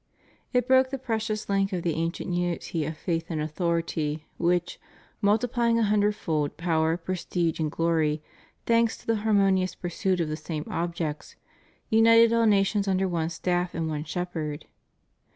It broke the precious link of the ancient unity of faith and authority, which, multiplying a hundredfold power, prestige, and glory, thanks to the harmonious pursuit of the same objects, united all nations under one staff and one shepherd.